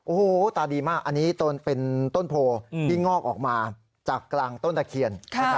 โอ้โหตาดีมากอันนี้เป็นต้นโพที่งอกออกมาจากกลางต้นตะเคียน